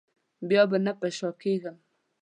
بیا به نه په شا کېږم.